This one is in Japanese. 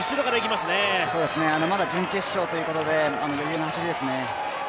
まだ準決勝ということで余裕の走りですね。